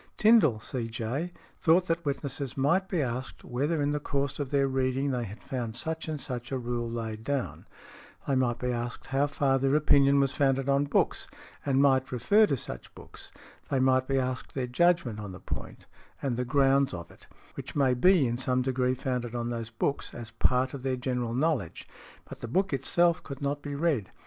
Tindal, C.J., thought that witnesses might be asked whether in the course of their reading they had found such and such a rule laid down; they might be asked how far their opinion was founded on books, and might refer to such books; they might be asked their judgment on the point, and the grounds of it, which may be in some degree founded on these books, as a part of their general knowledge, but the book itself could not be read.